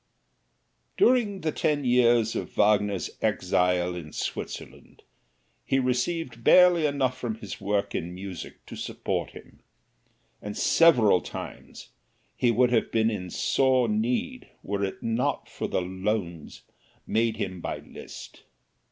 During the ten years of Wagner's exile in Switzerland he received barely enough from his work in music to support him, and several times he would have been in sore need were it not for the "loans" made him by Liszt.